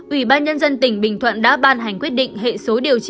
ủy ban nhân dân tỉnh bình thuận đã ban hành quyết định hệ số điều chín